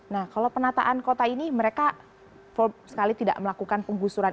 nah kalau penataan kota ini mereka sekali tidak melakukan penggusuran